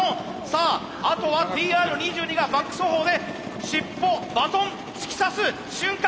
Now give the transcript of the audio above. さああとはＴＲ２２がバック走法で尻尾バトン突き刺す瞬間！